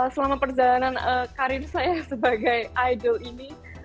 selama perjalanan karir saya sebagai idol ini